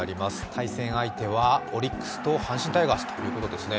対戦相手はオリックスと阪神タイガースということですよね。